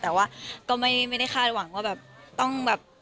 แต่ว่าก็ไม่ได้คาดหวังว่าแบบต้องแบบ